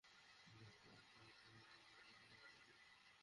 আমি নির্বাচিত হলে যেমন সহযোগিতা কামনা করব, তেমনি অন্যজনকেও সহযোগিতা করব।